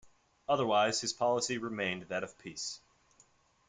Otherwise his policy remained that of peace.